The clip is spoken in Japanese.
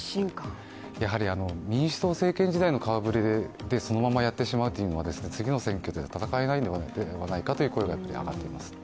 やはり民主党政権時代の顔ぶれでそのままやってしまうというのは次の選挙で戦えないのではないかという声が上がっています。